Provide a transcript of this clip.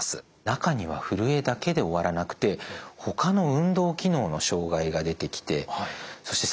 中にはふるえだけで終わらなくてほかの運動機能の障害が出てきてそして